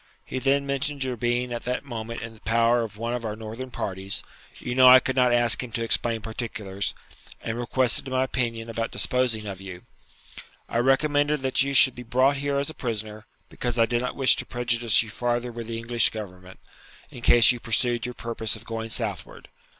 He then mentioned your being at that moment in the power of one of our northern parties you know I could not ask him to explain particulars and requested my opinion about disposing of you. I recommended that you should be brought here as a prisoner, because I did not wish to prejudice you farther with the English government, in case you pursued your purpose of going southward.